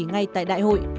ngay tại đại hội